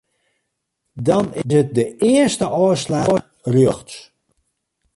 Dan is it de earste ôfslach rjochts.